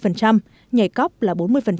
nhảy cóc là bốn mươi